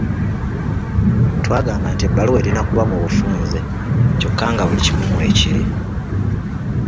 Twagamba nti ebbaluwa erina okuba mu bufunze kyokka nga buli kumu mwe kiri.